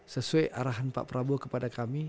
sesuai arahan pak prabowo kepada kami